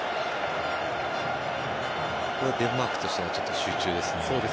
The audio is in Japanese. デンマークとしてはちょっと集中ですね。